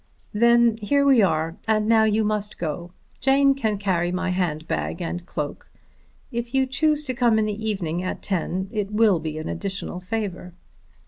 "Then here we are, and now you must go. Jane can carry my hand bag and cloak. If you choose to come in the evening at ten it will be an additional favour."